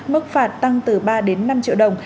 mức phạt tăng từ ba đến năm triệu đồng